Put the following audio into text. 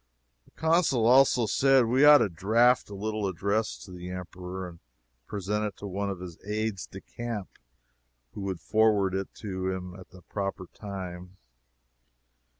The Consul also said we ought to draft a little address to the Emperor, and present it to one of his aides de camp, who would forward it to him at the proper time.